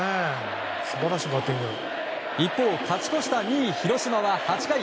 一方、勝ち越した２位、広島は８回。